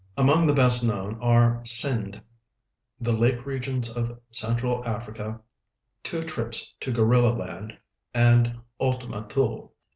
Among the best known are 'Sindh,' 'The Lake Regions of Central Africa,' 'Two Trips to Gorilla Land,' and 'Ultima Thule.'